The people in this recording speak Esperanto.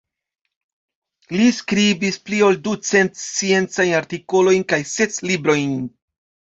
Li skribis pli ol du cent sciencajn artikolojn kaj ses librojn.